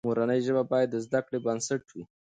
مورنۍ ژبه باید د زده کړې بنسټ وي.